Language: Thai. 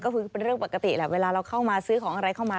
ก็คือเป็นเรื่องปกติแหละเวลาเราเข้ามาซื้อของอะไรเข้ามา